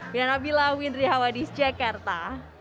biar nabilah windri hawa di sejak kerta